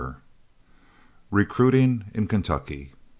RECRUITING IN KENTUCKY.